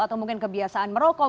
atau mungkin kebiasaan merokok